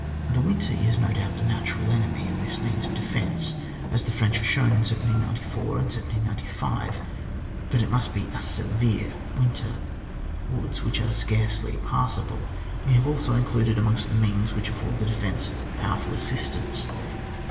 The winter is, no doubt, the natural enemy of this means of defence, as the French have shown in 1794 and 1795, but it must be a severe winter. Woods, which are scarcely passable, we have also included amongst the means which afford the defence power ful assistance.